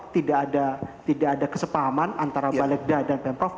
tidak ada kesepahaman antara balik dah dan pen prof